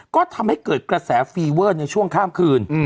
ก็ทำให้เกิดกระแสฟีเวอร์ในช่วงข้ามคืน